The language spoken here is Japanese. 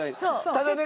ただね